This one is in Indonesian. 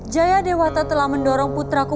jaya dewata telah mendorong putraku